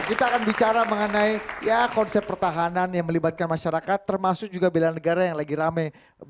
kita akan bicara mengenai ya konsep pertahanan yang melibatkan masyarakat termasuk juga bela negara yang lagi rame